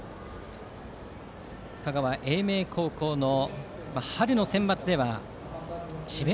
香川・英明高校春のセンバツでは智弁